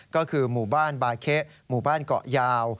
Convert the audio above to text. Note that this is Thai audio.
ก็คือหมู่บ้านบาเคะหมู่บ้านเกาะยาว